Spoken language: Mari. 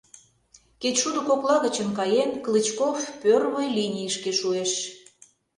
Кечшудо кокла гычын каен, Клычков пӧрвой линийышке шуэш.